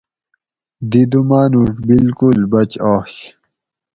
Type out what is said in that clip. دی دو مانوڛ بالکل بچ آش